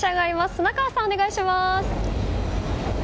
砂川さん、お願いします。